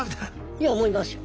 いや思いますよ。